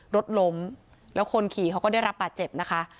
รถล้มแล้วคนขี่เขาก็ได้รับบาดเจ็บนะคะ